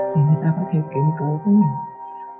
thì người ta có thể kiếm cấu của mình